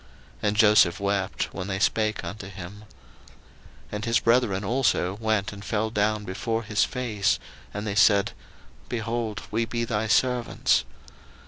And Joseph wept when they spake unto him. 01:050:018 And his brethren also went and fell down before his face; and they said, Behold, we be thy servants.